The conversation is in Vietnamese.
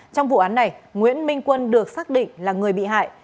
trong vụ án này nguyễn minh quân được xác định là người bị hại